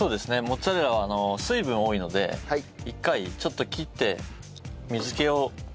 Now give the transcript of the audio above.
モッツァレラは水分多いので一回ちょっと切って水気を切ってください。